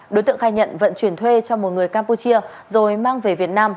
đối tượng khai nhận vận chuyển thuê cho một người campuchia rồi mang về việt nam